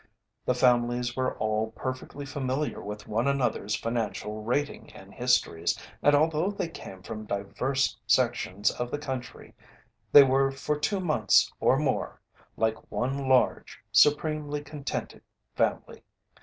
The families were all perfectly familiar with one another's financial rating and histories, and although they came from diverse sections of the country they were for two months or more like one large, supremely contented family.